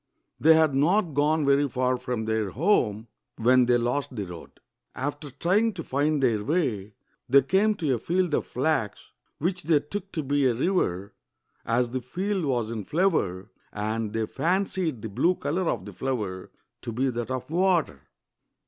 They had not gone very far from their home when they lost the road. After trying to find their way, they came to a field of flax, which they took to be a river, as the field was in flower, and they fancied the blue color of the flower to be that of water.